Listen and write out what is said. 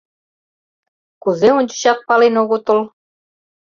Кузе ончычак пален огытыл?..